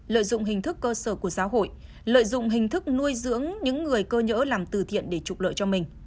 lợi dụng hình thức cơ sở của xã hội lợi dụng hình thức nuôi dưỡng những người cơ nhỡ làm từ thiện để trục lợi cho mình